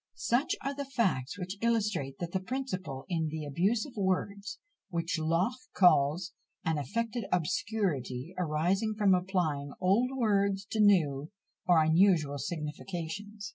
Such are the facts which illustrate that principle in "the abuse of words," which Locke calls "an affected obscurity arising from applying old words to new, or unusual significations."